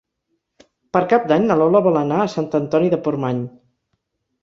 Per Cap d'Any na Lola vol anar a Sant Antoni de Portmany.